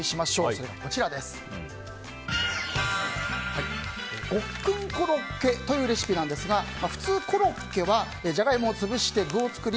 それが、ごっくんコロッケというレシピなんですがふつうコロッケはジャガイモを潰して具を作り